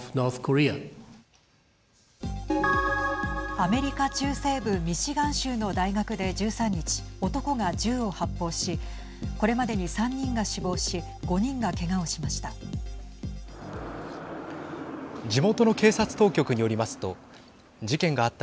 アメリカ中西部ミシガン州の大学で１３日、男が銃を発砲しこれまでに３人が死亡し５人がけがをしました。